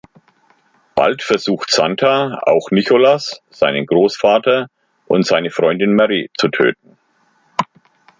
Bald versucht Santa, auch Nicholas, seinen Großvater und seine Freundin Mary zu töten.